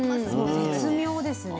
絶妙ですね。